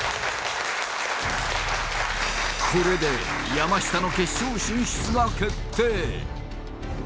これで山下の決勝進出が決定